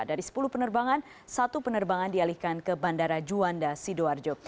dari sepuluh penerbangan satu penerbangan dialihkan ke bandara juanda sidoarjo